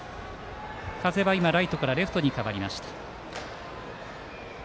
風はライトからレフトに変わりました。